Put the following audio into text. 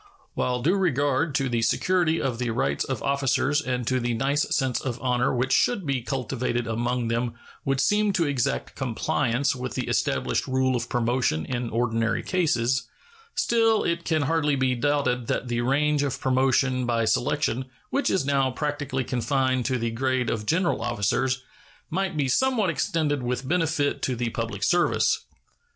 While due regard to the security of the rights of officers and to the nice sense of honor which should be cultivated among them would seem to exact compliance with the established rule of promotion in ordinary cases, still it can hardly be doubted that the range of promotion by selection, which is now practically confined to the grade of general officers, might be somewhat extended with benefit to the public service.